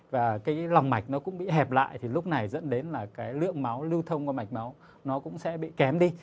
và cái lòng mạch nó cũng bị hẹp lại thì lúc này dẫn đến là cái lượng máu lưu thông qua mạch máu nó cũng sẽ bị kém đi